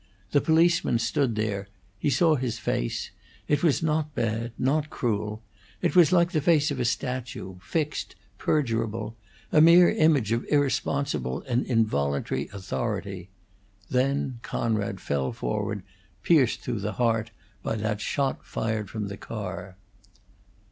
The policeman stood there; he saw his face: it was not bad, not cruel; it was like the face of a statue, fixed, perdurable a mere image of irresponsible and involuntary authority. Then Conrad fell forward, pierced through the heart by that shot fired from the car.